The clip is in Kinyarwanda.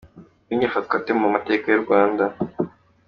Nyabingi afatwa ate mu mateka y’u Rwanda.